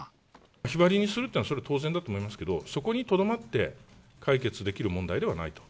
日割りにするっていうのは、それは当然だと思いますけど、そこにとどまって解決できる問題ではないと。